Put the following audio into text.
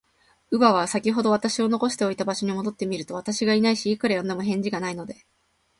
乳母は、さきほど私を残しておいた場所に戻ってみると、私がいないし、いくら呼んでみても、返事がないので、